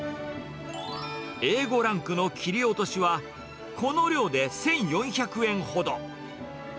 Ａ５ランクの切り落としは、この量で１４００円ほど。